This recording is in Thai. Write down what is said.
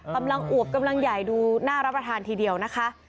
อวบกำลังใหญ่ดูน่ารับประทานทีเดียวนะคะ